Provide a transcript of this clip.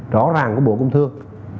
rõ ràng của bộ công thương